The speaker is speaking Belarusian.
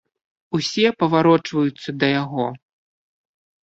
Усе паварочваюцца да яго.